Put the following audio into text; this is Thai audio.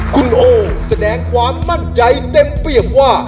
คุณโอแสดงความมั่นใจเต็มเปรียบว่า